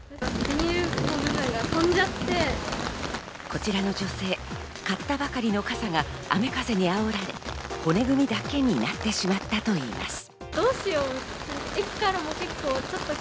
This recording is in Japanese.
こちらの女性、買ったばかりの傘が雨風に煽られ、骨組みだけになってしまったといいます。